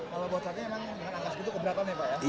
kalau buat saya memang dengan angka segitu keberatan ya pak ya